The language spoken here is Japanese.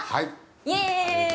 イエーイ！